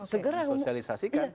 segera umumkan gitu